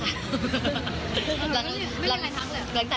หลังจากที่ครั้งที่แล้วคือแบบว่า